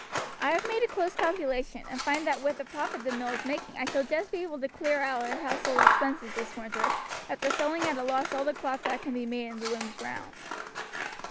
I have made a close calculation, and find that with the profit the mill is making I shall just be able to clear our household expenses this winter, after selling at a loss all the cloth that can be made in the looms round."